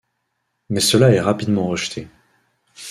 Mais cela est rapidement rejeté.